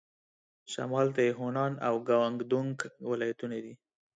شمال ته یې هونان او ګوانګ دونګ ولايتونه دي.